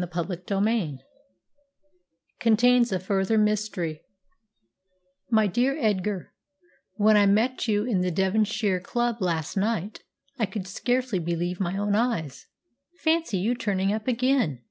CHAPTER XXIX CONTAINS A FURTHER MYSTERY "My dear Edgar, when I met you in the Devonshire Club last night I could scarcely believe my own eyes. Fancy you turning up again!"